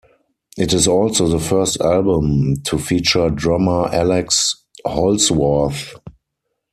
It is also the first album to feature drummer Alex Holzwarth.